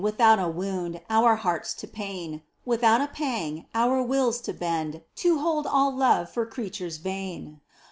Without a wound, our hearts to pain — Without a pang, our wills to bend To hold all love for creatures vain.